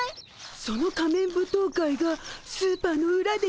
その仮面舞踏会がスーパーのうらで開かれる。